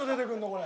これ。